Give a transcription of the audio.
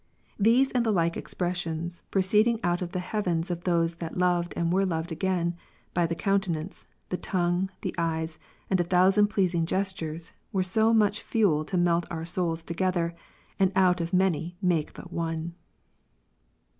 These and the like expressions, proceeding out of the hearts of those that loved and were loved again, by the countenance, the ' tongue, the eyes, and a thousand pleasing gestures, were so much fuel to melt our souls together, and out of many make but one.